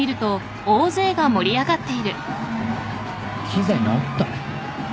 ・機材直った？